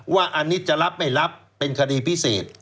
ว่าอันนี้จะรับไม่รับเป็นคดีพิเศษ